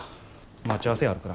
待ち合わせあるから。